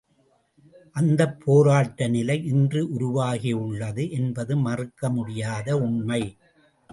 அந்தப் போராட்ட நிலை இன்று உருவாகி உள்ளது என்பது மறுக்கமுடியாத உண்மை.